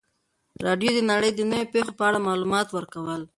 راډیو د نړۍ د نویو پیښو په اړه معلومات ورکول.